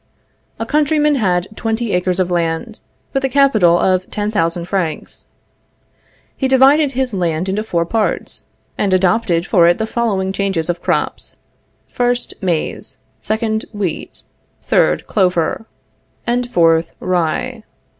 A countryman had twenty acres of land, with a capital of 10,000 francs. He divided his land into four parts, and adopted for it the following changes of crops: 1st, maize; 2d, wheat; 3d, clover; and 4th, rye.